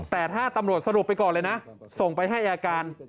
แต่ถ้าตำรวจสรุปไปก่อนเลยนะส่งไปให้อายการ